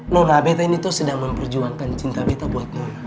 nona beta ini tuh sedang memperjuangkan cinta beta buat nona